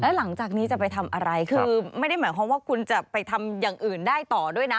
หลังจากนี้จะไปทำอะไรคือไม่ได้หมายความว่าคุณจะไปทำอย่างอื่นได้ต่อด้วยนะ